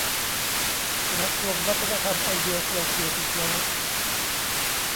กระทรวงวัฒนธรรมไอเดียกระฉูดอีกแล้ว